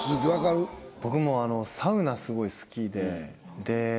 僕もサウナすごい好きで。